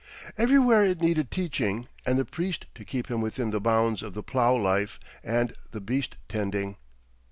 Everywhere it needed teaching and the priest to keep him within the bounds of the plough life and the beast tending.